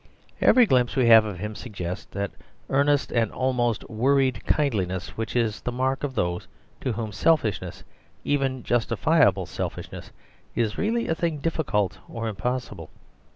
Every glimpse we have of him suggests that earnest and almost worried kindliness which is the mark of those to whom selfishness, even justifiable selfishness, is really a thing difficult or impossible.